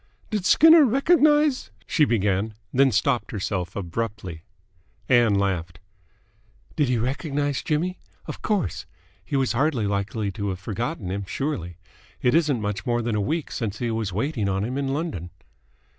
"Did Skinner recognise ?" she began; then stopped herself abruptly. Ann laughed. "Did he recognise Jimmy? Of course! He was hardly likely to have forgotten him, surely? It isn't much more than a week since he was waiting on him in London."